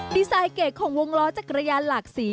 ดีไซน์เกรดของวงล้อจักรยานหลากสี